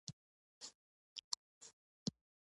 خور د ژوند حقیقتونه مني.